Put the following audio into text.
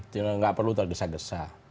tidak perlu tergesa gesa